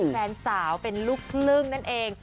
แฟนสาวเป็นลูกครึ่งนั่นเอง